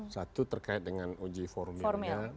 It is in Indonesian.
satu terkait dengan uji formilnya